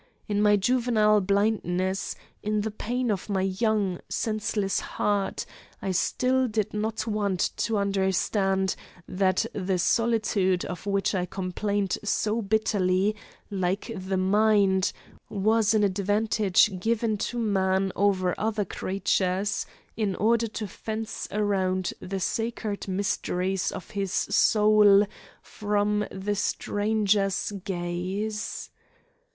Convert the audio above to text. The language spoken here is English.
In my juvenile blindness, in the pain of my young, senseless heart, I still did not want to understand that the solitude, of which I complained so bitterly, like the mind, was an advantage given to man over other creatures, in order to fence around the sacred mysteries of his soul from the stranger's gaze.